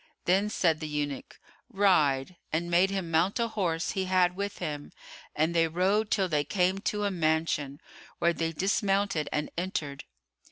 Then said the eunuch, "Ride," and made him mount a horse he had with him and they rode till they came to a mansion, where they dismounted and entered.